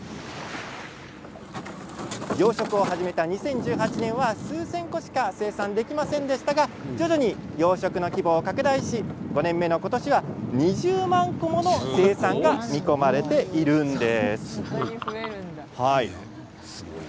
養殖を始めた２０１８年は数千個しか生産できませんでしたが徐々に養殖の規模を拡大し５年目の今年は２０万個もの生産がそんなに増えるんだ。